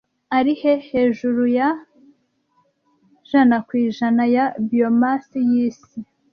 Ari he hejuru ya % ya biomass yisi